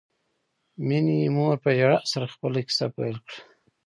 مينې مور په ژړا سره خپله کیسه پیل کړه